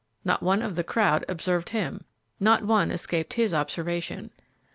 Not one of the crowd observed him; not one escaped his observation.